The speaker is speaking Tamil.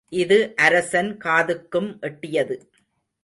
இது அரசன் காதுக்கும் எட்டியது.